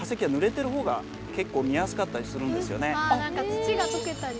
土がとけたり。